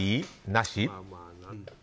なし？